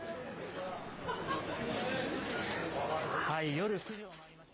夜９時を回りました。